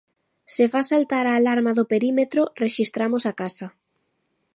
Se fas saltar a alarma do perímetro, rexistramos a casa.